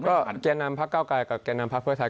ก็แก่นำพักเก้าไกลกับแก่นำพักเพื่อไทย